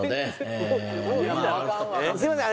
「すみません。